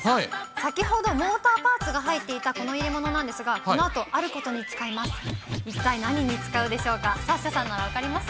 先ほど、モーターパーツが入っていたこの入れ物なんですが、このあとあることに使います。